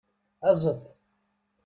Aẓet!